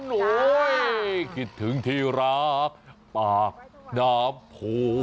โอ้โฮคิดถึงที่รักปากน้ำโพล